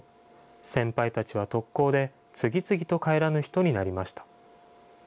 先輩たちは特攻で、次々と帰らぬ人になりました。